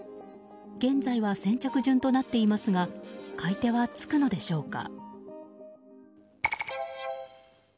現在は先着順となっていますが買い手はつくのでしょうか。